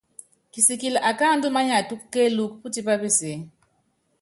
Kisikili akáandú manyátúkú kéelúku, pútipá peseé.